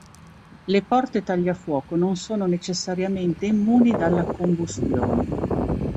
Le porte tagliafuoco non sono necessariamente immuni dalla combustione.